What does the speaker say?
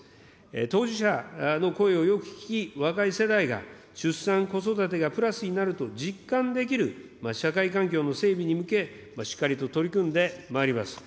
当事者の声をよく聞き、若い世代が出産、子育てがプラスになると実感できる社会環境の整備に向け、しっかりと取り組んでまいります。